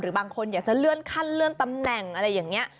บางคนอยากจะเลื่อนขั้นเลื่อนตำแหน่งอะไรอย่างนี้